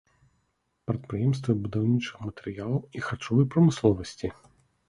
Прадпрыемствы будаўнічых матэрыялаў і харчовай прамысловасці.